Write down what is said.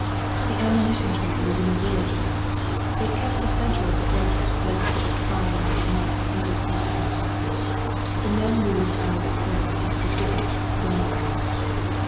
The ammunition train was in the village now. It kept the center of the road, lest it should slide into the mud on either side and be mired. The men moved out of its way into the ditch, grumbling.